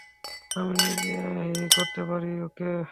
আমি নিজেই করতে পারি, ওকে?